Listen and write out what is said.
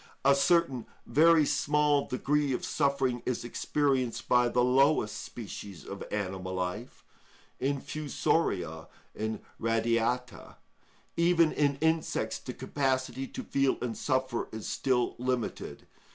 A certain very small degree of suffering is experienced by the lowest species of animal life—infusoria and radiata; even in insects the capacity to feel and suffer is still limited.